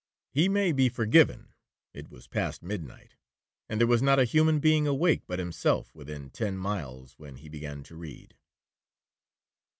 —He may be forgiven, it was past midnight, and there was not a human being awake but himself within ten miles when he began to read.